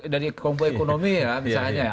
dari kelompok ekonomi ya misalnya